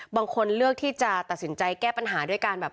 บางคนเลือกที่จะตัดสินใจแก้ปัญหาด้วยการแบบ